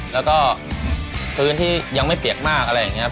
แล้วก็พื้นที่ยังไม่เปียกมากอะไรอย่างนี้